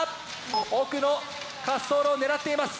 奥の滑走路を狙っています。